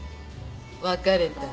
別れた？